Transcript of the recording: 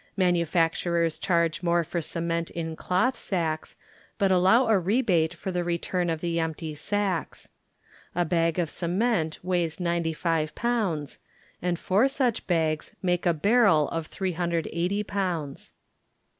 Manufacturers charge more for cement in doth sacks, but allow a rebate for the return of the emp^ sacks. A bag of cement weighs 95 pounds, and four such bags make a barrel of 380 pounds.